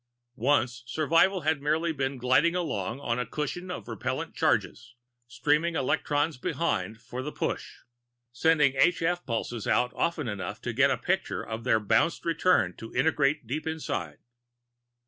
Once survival had merely been gliding along on a cushion of repellent charges, streaming electrons behind for the push, sending h f pulses out often enough to get a picture of their bounced return to integrate deep inside.